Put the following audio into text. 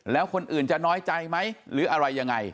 แล้วคนอื่นจะน้อยใจไหมหรืออะไรยังไง